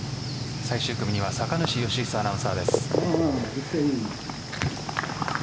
最終組には酒主義久アナウンサーです。